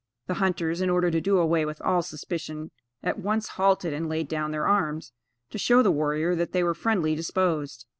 The hunters, in order to do away with all suspicion, at once halted and laid down their arms, to show the warrior that they were friendly disposed.